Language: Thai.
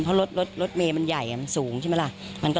เพราะรถเมย์มันใหญ่มันสูงใช่ไหมล่ะ